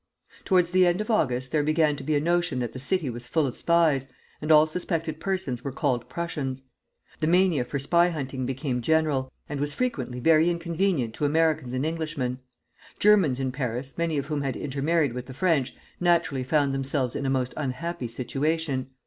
Towards the end of August there began to be a notion that the city was full of spies, and all suspected persons were called Prussians. The mania for spy hunting became general, and was frequently very inconvenient to Americans and Englishmen. Germans in Paris, many of whom had intermarried with the French, naturally found themselves in a most unhappy situation.